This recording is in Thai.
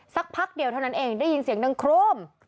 สักพักเดียวเท่านั้นเองได้ยินเสียงดังโครม